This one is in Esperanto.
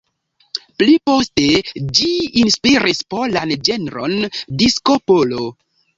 Pli poste ĝi inspiris polan ĝenron disko-polo.